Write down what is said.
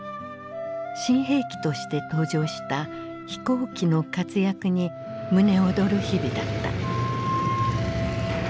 新兵器として登場した飛行機の活躍に胸躍る日々だった。